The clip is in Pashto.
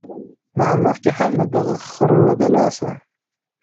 ما مخکښې هم د دغه خرو د لاسه